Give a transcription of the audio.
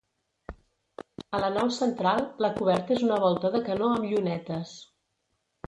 A la nau central la coberta és una volta de canó amb llunetes.